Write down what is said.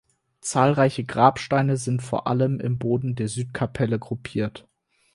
Zahlreiche Grabsteine sind vor allem im Boden der Südkapelle gruppiert.